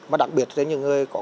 và đặc biệt là những người có